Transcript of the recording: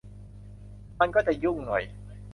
มันก็จะยุ่งหน่อย